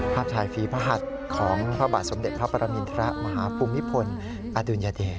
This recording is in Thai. ภาพชายฝีพระหัสของพระบาทสมเด็จพระปรมินทรมาฮภูมิพลอดุลยเดช